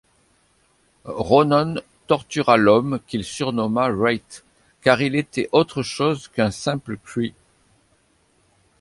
Ronon tortura l'homme qu'il surnomma Wraith, car il était autre chose qu'un simple Kree.